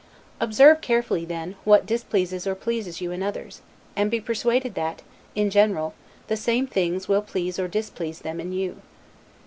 Observe carefully, then, what displeases or pleases you in others, and be persuaded, that in general; the same things will please or displease them in you.